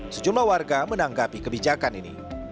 sejumlah warga menanggapi kebijakan ini